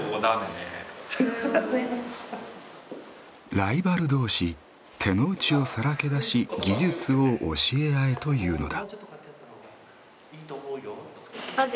「ライバル同士手の内をさらけ出し技術を教え合え」というのだ。